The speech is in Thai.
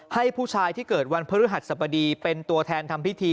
ให้ผู้ชายที่เกิดวันพฤหัสสบดีเป็นตัวแทนทำพิธี